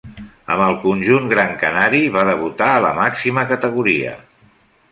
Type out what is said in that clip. Amb el conjunt gran canari va debutar a la màxima categoria.